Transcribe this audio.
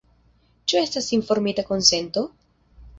Ĉu estas informita konsento?